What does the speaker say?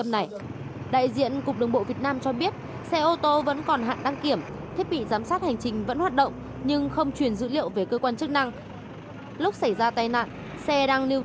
về chủ phương đại diện cục đường bộ việt nam cho biết xe ô tô vẫn còn hạn đăng kiểm thiết bị giám sát hành trình vẫn hoạt động nhưng không truyền dữ liệu về cơ quan chức năng